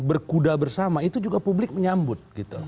berkuda bersama itu juga publik menyambut